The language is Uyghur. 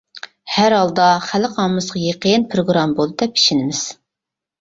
ھەر ھالدا خەلق ئاممىسىغا يېقىن پىروگرامما بولدى دەپ ئىشىنىمىز.